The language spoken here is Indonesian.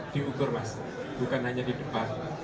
diukur mas bukan hanya di depan